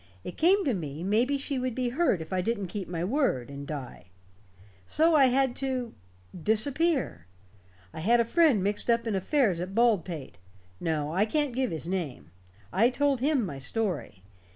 It came to me maybe she would be hurt if I didn't keep my word, and die. So I had to disappear. I had a friend mixed up in affairs at Baldpate. No, I can't give his name. I told him my story.